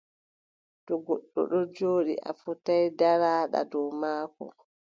To goɗɗo ɗon jooɗi, a fotaay ndarooɗaa dow maako,